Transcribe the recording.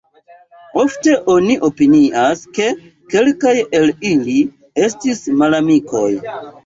Ofte oni opinias, ke kelkaj el ili estis malamikoj.